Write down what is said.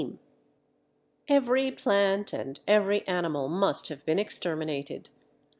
] Every plant and every animal must have been exterminated.